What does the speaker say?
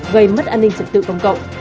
gây mất an ninh trật tự công cộng